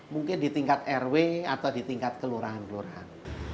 mungkin di tingkat rw atau di tingkat kelurahan kelurahan